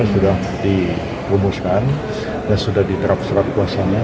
sudah diumuskan dan sudah diterap surat kewasannya